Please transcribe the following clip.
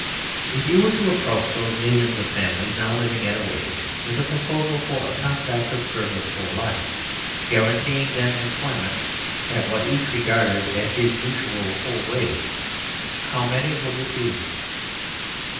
If you were to approach those millions of families now living at a wage, with the proposal for a contract of service for life, guaranteeing them employment at what each regarded as his usual full wage, how many would refuse